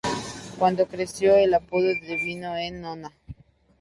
Cuando creció, el apodo devino en "Nona".